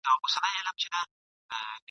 او یواز اوسیږي په تیاره توره نړۍ کي ..